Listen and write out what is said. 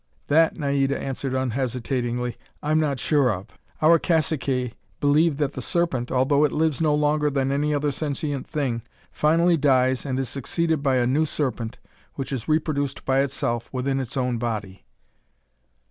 "That," Naida answered unhesitatingly, "I'm not sure of. Our caciques believe that the Serpent, although it lives longer than any other sentient thing, finally dies and is succeeded by a new Serpent which is reproduced by itself, within its own body."